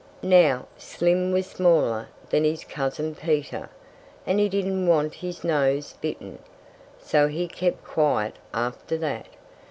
Now, Slim was smaller than his cousin Peter. And he didn't want his nose bitten. So he kept quiet after that.